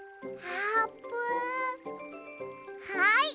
はい！